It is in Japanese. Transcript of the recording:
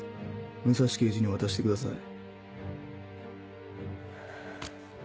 武蔵刑事に渡してください。